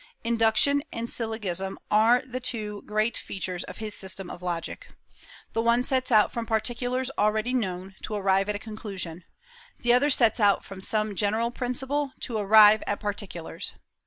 Induction and syllogism are the two great features of his system of logic. The one sets out from particulars already known to arrive at a conclusion; the other sets out from some general principle to arrive at particulars.